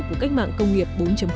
của cách mạng công nghiệp bốn